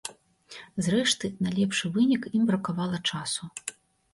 Зрэшты, на лепшы вынік ім бракавала часу.